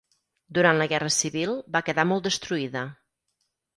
Durant la guerra civil va quedar molt destruïda.